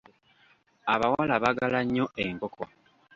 Abawala baagala nnyo enkoko.